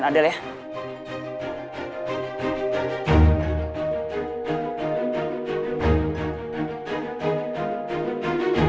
nanti gue mau ngajarin